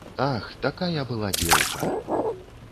Ах, такая была дзеўка!